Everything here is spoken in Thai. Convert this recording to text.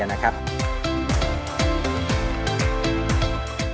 กาแฟ